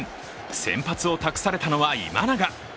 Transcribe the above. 先発を託されたのは今永。